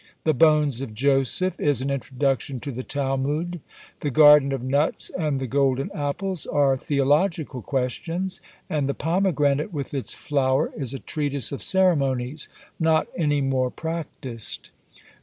"The Bones of Joseph" is an introduction to the Talmud. "The Garden of Nuts," and "The Golden Apples," are theological questions; and "The Pomegranate with its Flower," is a treatise of ceremonies, not any more practised.